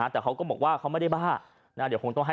แต่เขาก็บอกว่าเขาไม่ได้บ้า